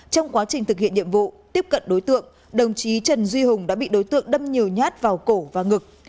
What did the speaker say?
trong quá trình thực hiện nhiệm vụ tiếp cận đối tượng đồng chí trần duy hùng đã bị đối tượng đâm nhiều nhát vào cổ và ngực